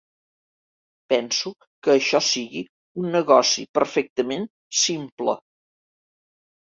Penso que això sigui un negoci perfectament simple.